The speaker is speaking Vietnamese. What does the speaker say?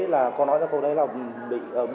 thì có thỏa thuận gì giữa hai người không